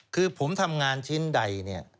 คือผมทำงานชิ้นใดเนี่ย